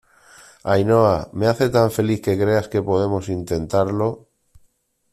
Ainhoa, me hace tan feliz que creas que podemos intentarlo.